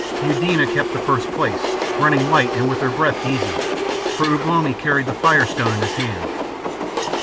Eudena kept the first place, running light and with her breath easy, for Ugh lomi carried the Fire Stone in his hand.